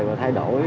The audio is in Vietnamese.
và thay đổi